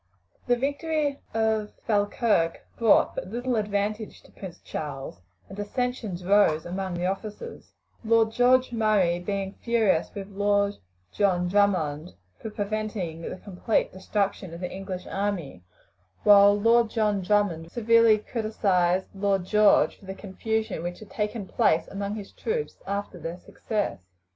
The victory of Falkirk brought but little advantage to Prince Charles, and dissensions arose among the officers; Lord George Murray being furious with Lord John Drummond for preventing the complete destruction of the English army, while Lord John Drummond severely criticised Lord George for the confusion which had taken place among his troops after their success.